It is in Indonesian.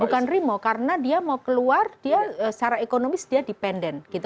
bukan nerimo karena dia mau keluar dia secara ekonomis dia dependent